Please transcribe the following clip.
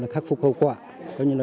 khắc phục hậu quả